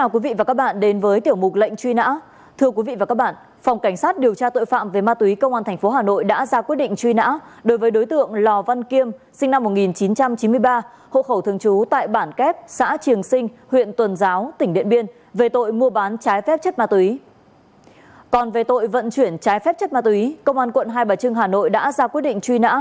còn về tội vận chuyển trái phép chất ma túy công an quận hai bà trưng hà nội đã ra quyết định truy nã